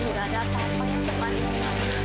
tidak ada apa apa yang sama anissa